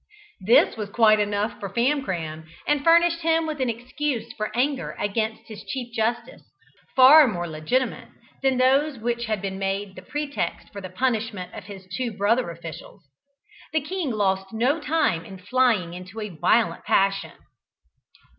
This was quite enough for Famcram, and furnished him with an excuse for anger against his Chief Justice, far more legitimate than those which had been made the pretext for the punishment of his two brother officials. The king lost no time in flying into a violent passion.